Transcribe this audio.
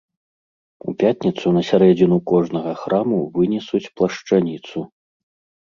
У пятніцу на сярэдзіну кожнага храму вынесуць плашчаніцу.